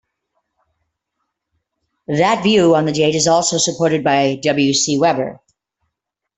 That view on the date is also supported by W. C. Weber.